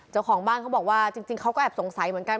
เจ้าของบ้านเขาบอกว่าจริงเขาก็แอบสงสัยเหมือนกัน